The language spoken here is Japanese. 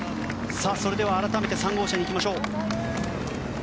それでは改めて３号車行きましょう。